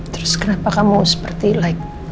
terus kenapa kamu seperti like